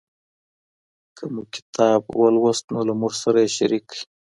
که مو کتاب ولوست نو له موږ سره یې شریک کړئ.